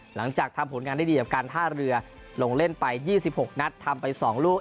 หลังจากทำผลงานได้ดีกับการท่าเรือลงเล่นไป๒๖นัดทำไป๒ลูก